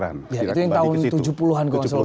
yang kemudian diatur dalam pengairan